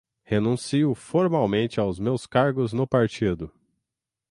Renuncio formalmente a meus cargos no Partido